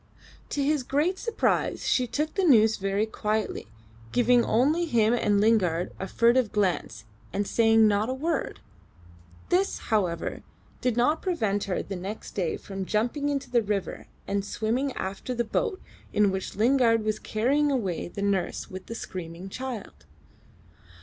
To his great surprise she took the news very quietly, giving only him and Lingard a furtive glance, and saying not a word. This, however, did not prevent her the next day from jumping into the river and swimming after the boat in which Lingard was carrying away the nurse with the screaming child.